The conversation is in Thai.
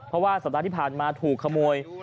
เพราะว่าสัปดาห์ที่ผ่านมาถูกขโมย